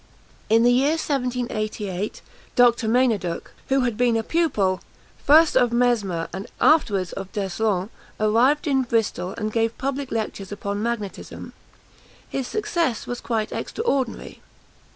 In the year 1788 Dr. Mainauduc, who had been a pupil, first of Mesmer, and afterwards of D'Eslon, arrived in Bristol, and gave public lectures upon magnetism. His success was quite extraordinary.